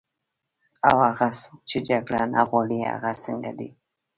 او هغه څوک چې جګړه نه غواړي، هغه څنګه دي؟